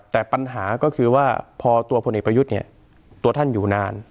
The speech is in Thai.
แต่ปัญหาก็คือว่าพอตัวพลเอกประยุทธ์เนี่ยตัวท่านอยู่นาน